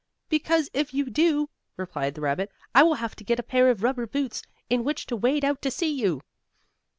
"Because if you do," replied the rabbit, "I will have to get a pair of rubber boots, in which to wade out to see you."